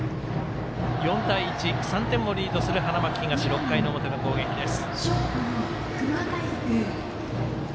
４対１、３点をリードする花巻東６回の表の攻撃です。